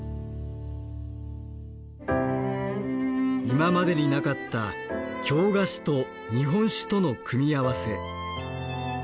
今までになかった京菓子と日本酒との組み合わせ。